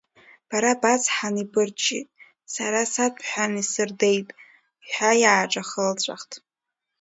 Бара бацҳан ибырчит, сара саҭәҳәан исырдеит, ҳәа иааҿахылҵәахт.